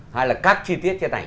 hay là các chi tiết trên ảnh